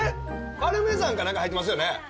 パルメザンか何か入ってますよね？